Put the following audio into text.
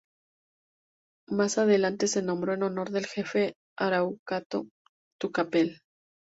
Más adelante se nombró en honor del jefe araucano Tucapel.